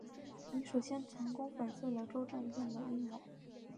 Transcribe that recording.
你首先成功粉碎了周政变的阴谋。